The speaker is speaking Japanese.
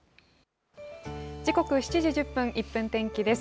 時刻、７時１０分、１分天気です。